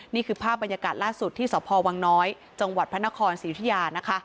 นี่คือภาพบรรยากาศล่าสุดที่สพวังน้อยจังหวัดพระนครศรียุธิยานะคะ